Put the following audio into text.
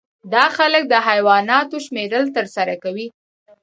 دا خلک د حیواناتو شمیرل ترسره کوي